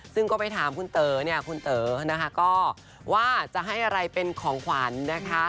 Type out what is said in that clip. ซึ่งก็ไปถามคุณเต๋อเนี่ยคุณเต๋อนะคะก็ว่าจะให้อะไรเป็นของขวัญนะคะ